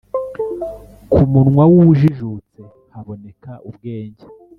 Ku munwa w’ujijutse haboneka ubwenge.